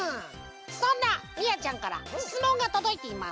そんなみやちゃんからしつもんがとどいています。